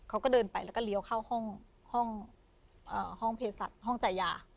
เขาก็เดินไปแล้วก็เรียวเข้าห้องห้องอ่าห้องเพศัตริย์ห้องจ่ายยา